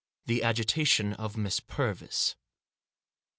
THE AGITATION OF MISS PURVIS.